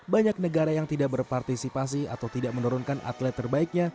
banyak negara yang tidak berpartisipasi atau tidak menurunkan atlet terbaiknya